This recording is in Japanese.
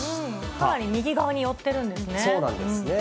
かなり右側に寄ってるんですそうなんですね。